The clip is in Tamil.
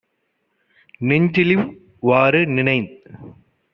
நெஞ்சிலிவ் வாறு - நினைந்